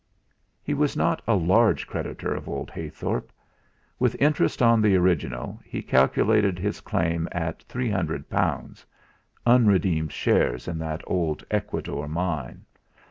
He was not a large creditor of old Heythorp. With interest on the original, he calculated his claim at three hundred pounds unredeemed shares in that old Ecuador mine.